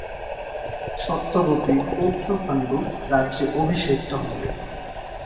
সত্যবতীর পৌত্র পাণ্ডু রাজ্যে অভিষিক্ত হলেন।